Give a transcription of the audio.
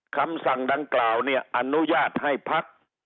คำสั่งดังกล่าวเนี่ยอนุญาตให้พัก